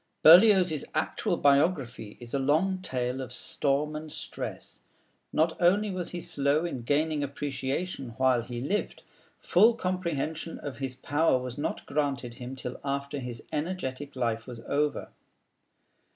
Berlioz's actual biography is a long tale of storm and stress. Not only was he slow in gaining appreciation while he lived; full comprehension of his power was not granted him till after his energetic life was over.